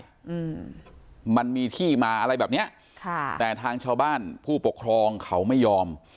อืมมันมีที่มาอะไรแบบเนี้ยค่ะแต่ทางชาวบ้านผู้ปกครองเขาไม่ยอม